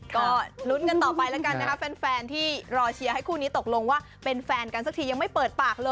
ก็ลุ้นกันต่อไปแล้วกันนะคะแฟนที่รอเชียร์ให้คู่นี้ตกลงว่าเป็นแฟนกันสักทียังไม่เปิดปากเลย